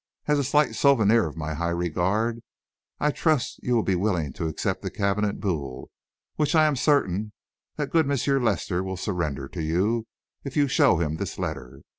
As a slight souvenir of my high regard, I trust you will be willing to accept the cabinet Boule, which I am certain that good M. Lester will surrender to you if you will show to him this letter.